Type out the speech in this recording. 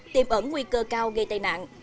tiềm ẩn nguy cơ cao gây tai nạn